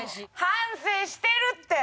反省してるって。